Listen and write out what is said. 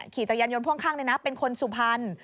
ขี่จักรยานยนต์พ่วงข้างเป็นคนสุพรรณ